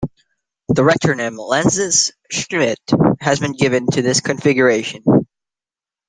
The retronym "lensless Schmidt" has been given to this configuration.